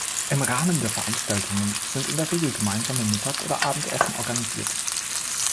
Im Rahmen der Veranstaltungen sind in der Regel gemeinsame Mittag- oder Abendessen organisiert.